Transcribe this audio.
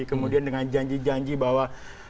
kemudian dengan janji janji bahwa